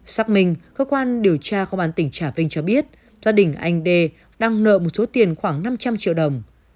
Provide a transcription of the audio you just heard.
xác minh cơ quan điều tra của bán tỉnh trả vinh cho biết gia đình anh d đang nợ một số tiền khoảng năm trăm linh triệu đồng